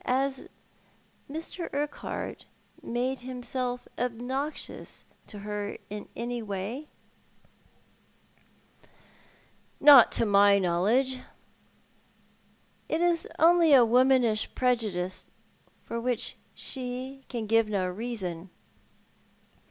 Has Mr. Urquhart made himself obnoxious to her in any way ?" 74 Thou art the Man. "Not to my knowledge. It is only a womanish prejudice for which she can give no reason.